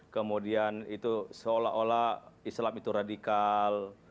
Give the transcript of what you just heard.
kemudian itu seolah olah islam itu radikal